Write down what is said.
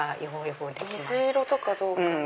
水色とかどうかな。